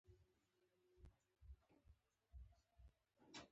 د تاجکانو سیمې په شمال او مرکز کې دي